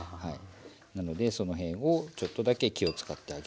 なのでその辺をちょっとだけ気を遣ってあげる。